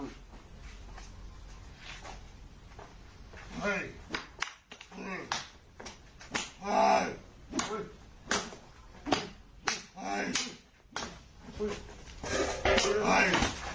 โลกผลาญจยุ่งอย่างเดียวกัน